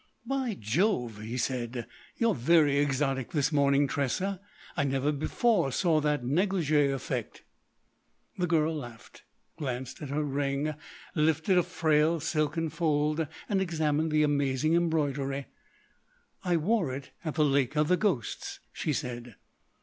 "By Jove!" he said, "you're very exotic this morning, Tressa. I never before saw that negligee effect." The girl laughed, glanced at her ring, lifted a frail silken fold and examined the amazing embroidery. "I wore it at the Lake of the Ghosts," she said.